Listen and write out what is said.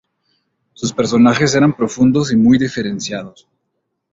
Sus personajes eran profundos y muy diferenciados.